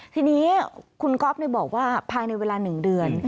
ทีนี้คุณก๊อฟบอกว่าภายในเวลา๑เดือน